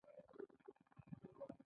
هغه هغې ته په درناوي د غزل کیسه هم وکړه.